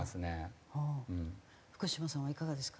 福島さんはいかがですか？